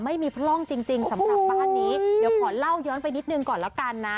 ไม่มีพร่องจริงสำหรับบ้านนี้เดี๋ยวขอเล่าย้อนไปนิดนึงก่อนแล้วกันนะ